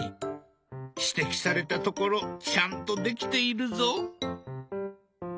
指摘されたところちゃんとできているぞ。